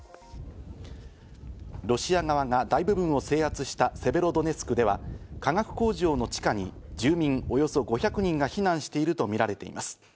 ロシア側が大部分を制圧したセベロドネツクでは、化学工場の地下に住民およそ５００人が避難しているとみられています。